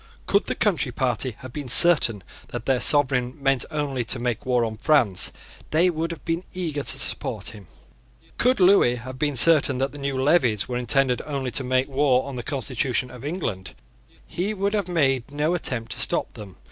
Could the Country Party have been certain that their sovereign meant only to make war on France, they would have been eager to support him. Could Lewis have been certain that the new levies were intended only to make war on the constitution of England, he would have made no attempt to stop them.